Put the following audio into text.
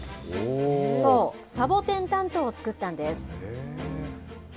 そう、サボテン担当を作ったんです。